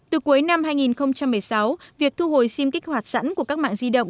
từ cuối năm hai nghìn một mươi sáu việc thu hồi sim kích hoạt sẵn của các mạng di động